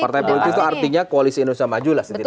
partai politik itu artinya koalisi indonesia maju lah setidaknya